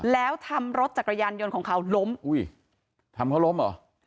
แล้วทำรถจักรยานยนต์ของเขาล้มอุ้ยทำเขาล้มเหรอ